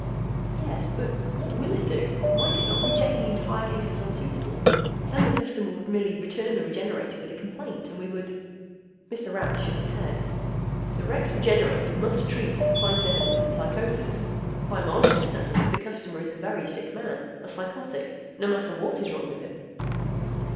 "Yes. But what will it do? Might it not reject the entire case as unsuitable? Then the customer would merely return the Regenerator with a complaint and we would " Mr. Rath shook his head. "The Rex Regenerator must treat if it finds evidence of psychosis. By Martian standards, the customer is a very sick man, a psychotic no matter what is wrong with him."